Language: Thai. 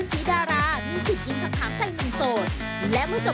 กับพอรู้ดวงชะตาของเขาแล้วนะครับ